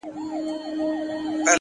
ښه نوم په کلونو جوړیږي.!